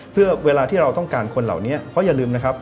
เพื่อเวลาที่เราต้องการคนเหล่านี้เพราะอย่าลืมนะครับ